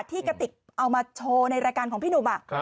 กระติกเอามาโชว์ในรายการของพี่หนุ่ม